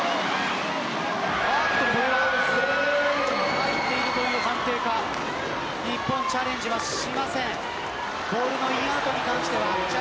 入っているという判定か日本はチャレンジしません。